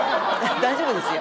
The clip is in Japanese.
大丈夫ですよ。